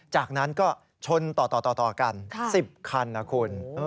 จากนั้นก็ชนต่อกัน๑๐คันนะคุณ